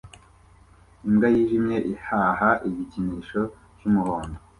Imbwa yijimye ihaha igikinisho cyumuhondo